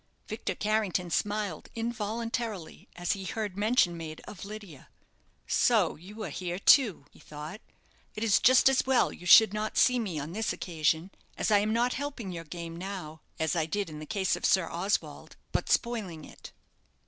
Victor Carrington smiled involuntarily as he heard mention made of Lydia. "So you are here, too," he thought; "it is just as well you should not see me on this occasion, as I am not helping your game now, as I did in the case of Sir Oswald, but spoiling it."